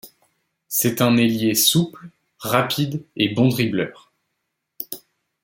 C'est un ailier souple, rapide et bon dribbleur.